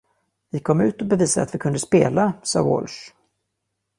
"Vi kom ut och bevisade att vi kunde spela," sade Walsh.